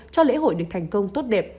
cho lễ hội được thành công tốt đẹp